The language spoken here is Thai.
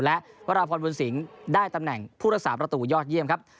และวราพรบุญสิงศ์ได้ตำแหน่งผู้รักษาประตูยอดเยี่ยมครับ